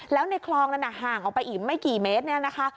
แล้วในคลองนั้นห่างออกไปอีกไม่กี่เมตรเนี่ยนะคะ